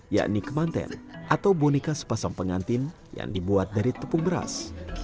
yakni kemanten atau boneka sepasang pengantin yang dibuat dari tepung beras